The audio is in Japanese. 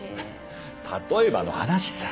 例えばの話さ。